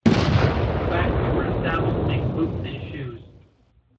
Factories were established to make boots and shoes.